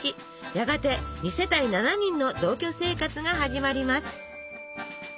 やがて２世帯７人の同居生活が始まります。